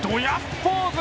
ポーズ。